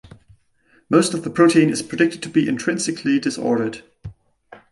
Most of the protein is predicted to be intrinsically disordered.